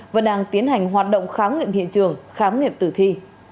vẫn đang tiến hành hoạt động khám nghiệm hiện trường khám nghiệm tử thi